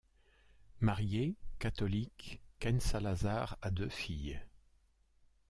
Marié, catholique, Ken Salazar a deux filles.